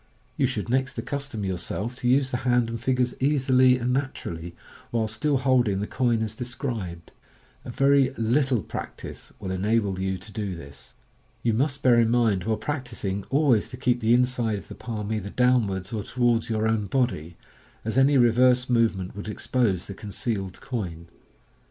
You should next accustom yourself to use the hand and fingers easily and naturally, while still holding the coin as described. A very little practice will enable you to do this. You must bear in mind while practising always to keep the inside of the palm either downwards or towards your own body, as any reverse movement would expose the concealed coin.